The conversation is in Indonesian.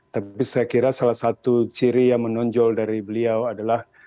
tapi saya kira salah satu ciri yang menonjol dari beliau adalah